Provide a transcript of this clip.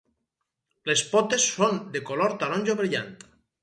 Les potes són de color taronja brillant.